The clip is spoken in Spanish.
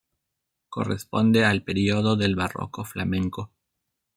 Corresponde al período del Barroco flamenco.